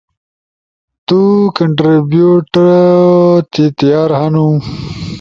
تُو کانٹریبیٹو تی تیار ہنُو؟